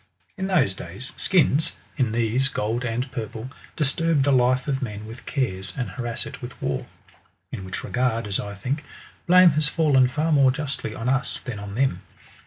In those days skins, in these gold and purple, disturb the life of men with cares, and harass it with war. In which re gard, as I think, blame has fallen far more justly on us than on them.